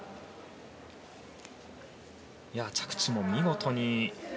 着地も見事。